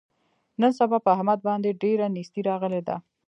نن سبا په احمد باندې ډېره نیستي راغلې ده.